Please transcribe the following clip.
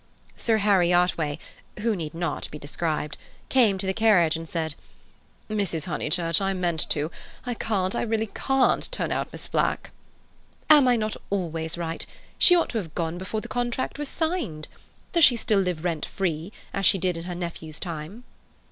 Sir Harry Otway—who need not be described—came to the carriage and said "Mrs. Honeychurch, I meant to. I can't, I really can't turn out Miss Flack." "Am I not always right? She ought to have gone before the contract was signed. Does she still live rent free, as she did in her nephew's time?"